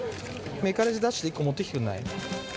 メカレジ１個出して、持ってきてくれない？